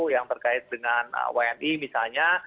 yang terkait dengan wni misalnya